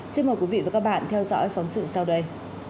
gỡ gì xin mời quý vị và các bạn theo dõi phóng sự sau đây